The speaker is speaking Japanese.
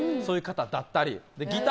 そういう方だったり。